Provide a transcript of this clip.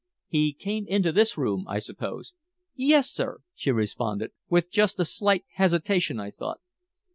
"He came into this room, I suppose?" "Yes, sir," she responded, with just a slight hesitation, I thought.